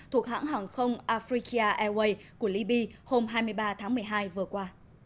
thuộc hãng hàng không africa airways của libby hôm hai mươi ba tháng một mươi hai vừa qua